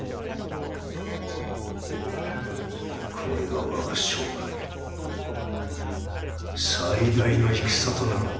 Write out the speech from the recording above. これが我が生涯最大の戦となろう。